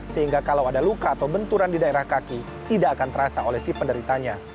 sehingga kalau ada luka atau benturan di daerah kaki tidak akan terasa oleh si penderitanya